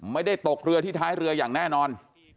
ไม่ได้ตกเรือที่ท้ายเรืออย่างแน่นอน